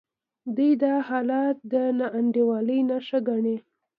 دوی دا حالت د ناانډولۍ نښه ګڼي.